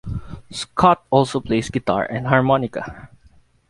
Scott also plays guitar and Harmonica.